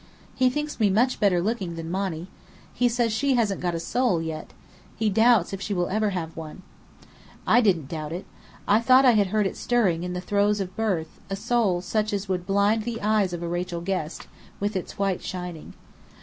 He thinks me much better looking than Monny. He says she hasn't got a soul, yet. He doubts if she ever will have one." I didn't doubt it. I thought I had heard it stirring in the throes of birth, a soul such as would blind the eyes of a Rachel Guest, with its white shining.